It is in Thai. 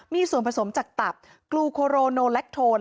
มีส่วนผสมจากตับกลูโคโรโนแลคโทน